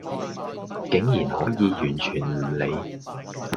竟然可以完全唔理